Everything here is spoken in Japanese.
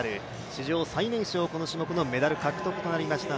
史上最年少この種目のメダル獲得なりました